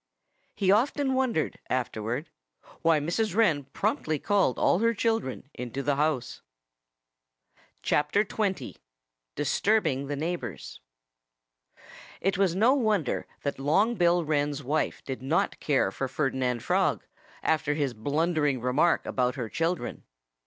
He often wondered, afterward, why Mrs. Wren promptly called all her children into the house. XX DISTURBING THE NEIGHBORS It was no wonder that Long Bill Wren's wife did not care for Ferdinand Frog, after his blundering remark about her children.